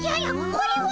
これは！